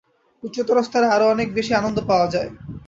উচ্চতর স্তরে আরও অনেক বেশী আনন্দ পাওয়া যায়।